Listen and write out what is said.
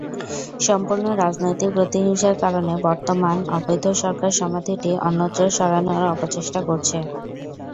সম্পূর্ণ রাজনৈতিক প্রতিহিংসার কারণে বর্তমান অবৈধ সরকার সমাধিটি অন্যত্র সরানোর অপচেষ্টা করছে।